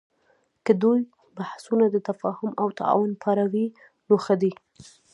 که د دوی بحثونه د تفاهم او تعاون په اړه وي، نو ښه دي